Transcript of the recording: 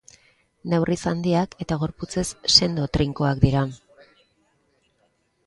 Neurriz handiak eta gorputzez sendo trinkoak dira.